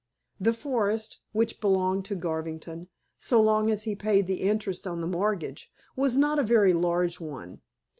The forest which belonged to Garvington, so long as he paid the interest on the mortgage was not a very large one.